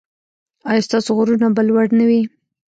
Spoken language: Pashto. ایا ستاسو غرونه به لوړ نه وي؟